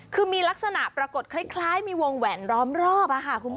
คือมีลักษณะปรากฏคล้ายมีวงแหวนรอมรอบ